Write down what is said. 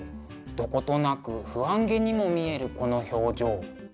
どことなく不安げにも見えるこの表情。